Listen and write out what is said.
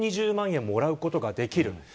１２０万円もらえることができる。